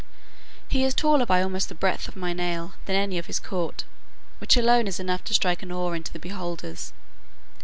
He is taller by almost the breadth of my nail, than any of his court; which alone is enough to strike an awe into the beholders.